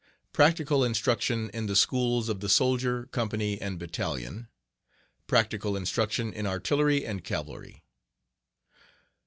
Practical Instruction in the Schools of the Soldier, Company, and Battalion. Practical Instruction in Artillery and Cavalry.